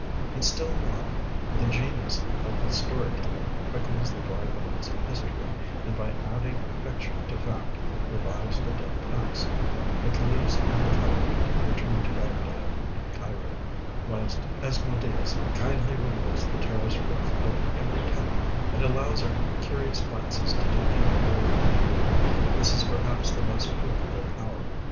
And still more, the genius of the story teller quickens the dry bones of history, and by adding Fiction to Fact revives the dead past; the Caliphs and the Caliphate return to Baghdad and Cairo, whilst Asmodeus kindly removes the terrace roof of every tenement and allows our curious glances to take in the whole interior. This is perhaps the best proof of their power.